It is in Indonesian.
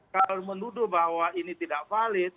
kalau menuduh bahwa ini tidak valid